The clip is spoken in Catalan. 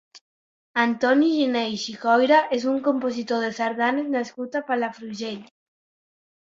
Antoni Giner i Xicoira és un compositor de sardanes nascut a Palafrugell.